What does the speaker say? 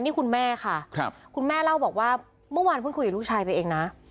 นี่คุณแม่ค่ะคุณแม่เล่าบอกว่าเมื่อวานเพิ่งคุยกับลูกชายไปเองนะ